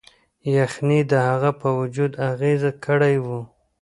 یخنۍ د هغه په وجود اغیز کړی و.